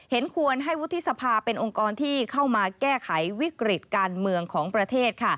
ควรให้วุฒิสภาเป็นองค์กรที่เข้ามาแก้ไขวิกฤติการเมืองของประเทศ